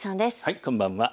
こんばんは。